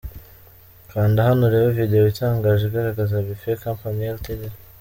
Kanda hano urebe Video itangaje igaragaza Boofet Company ltd.